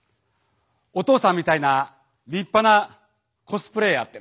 「お父さんみたいな立派なコスプレーヤー」って。